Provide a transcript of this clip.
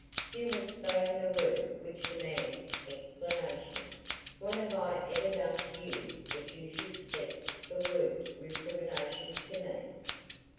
"You have spoken a word which demands explanation; what have I ever done to you that you should speak the word recrimination to me?"